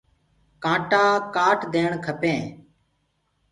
ڪآٽآ ڪآٽ ديڻ کپينٚ۔